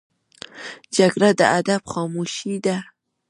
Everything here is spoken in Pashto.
جګړه د ادب خاموشي ده